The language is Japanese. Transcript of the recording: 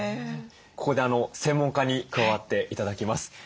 ここで専門家に加わって頂きます。